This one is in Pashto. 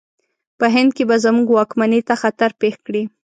په هند کې به زموږ واکمنۍ ته خطر پېښ کړي.